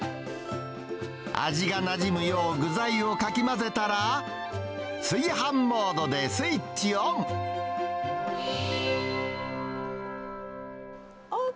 味がなじむよう、具材をかき混ぜたら、炊飯モードでスイッチオン。